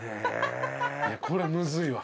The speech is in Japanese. こりゃむずいわ。